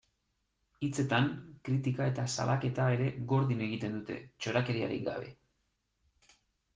Hitzetan, kritika eta salaketa ere gordin egiten dute, txorakeriarik gabe.